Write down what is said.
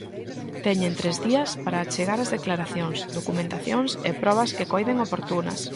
Teñen tres días para "achegar as declaracións, documentacións e probas que coiden oportunas".